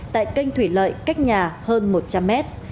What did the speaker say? tại kênh thủy lợi cách nhà hơn một trăm linh mét